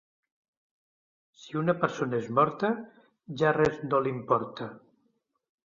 Si una persona és morta, ja res no l'importa.